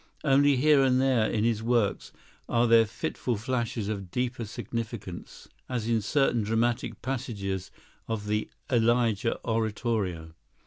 Only here and there in his works are there fitful flashes of deeper significance, as in certain dramatic passages of the "Elijah" oratorio.